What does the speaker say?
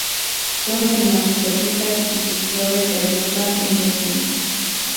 Son hermafroditas y sus flores se agrupan en racimos.